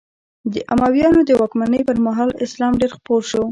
د امویانو د واکمنۍ پر مهال اسلام ډېر خپور شو.